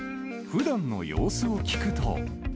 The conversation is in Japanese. ふだんの様子を聞くと。